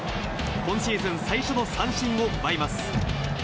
今シーズン最初の三振を奪います。